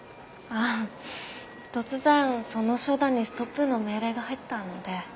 ああ突然その商談にストップの命令が入ったので。